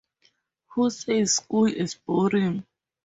Who Says School Is Boring?